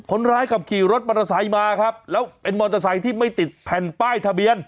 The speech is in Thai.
ขับขี่รถมอเตอร์ไซค์มาครับแล้วเป็นมอเตอร์ไซค์ที่ไม่ติดแผ่นป้ายทะเบียน